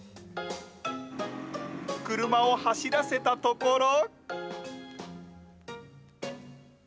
車を走らせたところ。